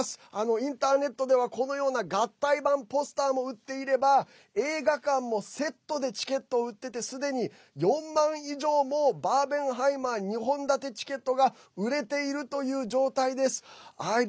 インターネットではこのような合体版ポスターも売っていれば映画館もセットでチケットを売っててすでに４万以上もバーベンハイマー２本立てチケット売れているという状態です。